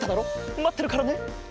まってるからね。